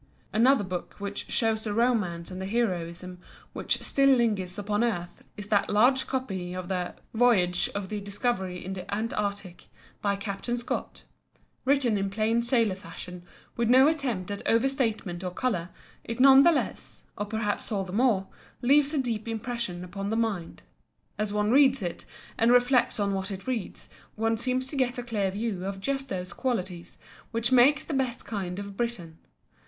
Another book which shows the romance and the heroism which still linger upon earth is that large copy of the "Voyage of the Discovery in the Antarctic" by Captain Scott. Written in plain sailor fashion with no attempt at over statement or colour, it none the less (or perhaps all the more) leaves a deep impression upon the mind. As one reads it, and reflects on what one reads, one seems to get a clear view of just those qualities which make the best kind of Briton.